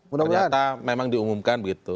ternyata memang diumumkan begitu